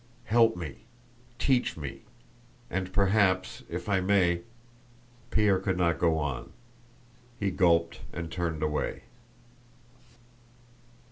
Help me, teach me, and perhaps I may..." Pierre could not go on. He gulped and turned away.